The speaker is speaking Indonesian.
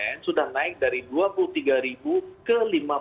yang sudah naik dari rp dua puluh tiga ke lima puluh